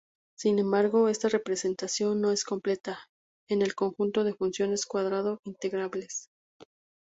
Sin embargo, esta representación no es completa en el conjunto de funciones cuadrado integrables.